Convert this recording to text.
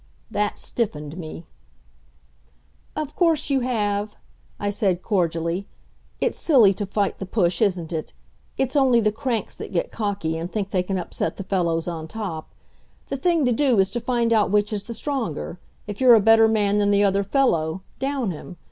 That stiffened me. "Of course, you have," I said cordially. "It's silly to fight the push, isn't it? It's only the cranks that get cocky and think they can upset the fellows on top. The thing to do is to find out which is the stronger if you're a better man than the other fellow, down him.